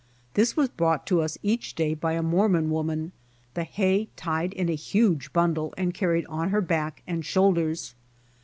This was brought to us each day by a Mormon woman, the hay tied in a huge bundle and carried on her back and shoulders.